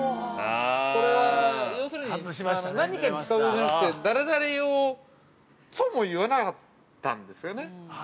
これは要するに何かに使う用じゃなくて誰々用とも言わなかったんですよね。